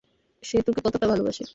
সে তোকে কতোটা ভালোবাসে!